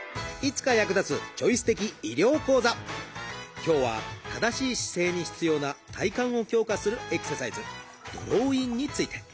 今日は正しい姿勢に必要な体幹を強化するエクササイズ「ドローイン」について。